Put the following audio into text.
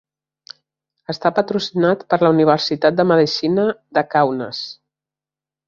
Està patrocinat per la Universitat de Medicina de Kaunas.